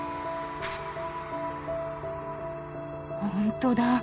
ほんとだ。